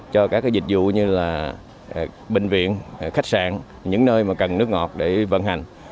cho các dịch vụ như là bệnh viện khách sạn những nơi mà cần nước ngọt để vận hành